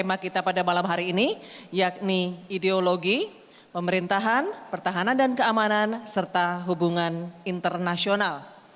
tema kita pada malam hari ini yakni ideologi pemerintahan pertahanan dan keamanan serta hubungan internasional